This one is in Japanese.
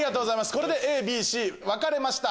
これでＡＢＣ分かれました。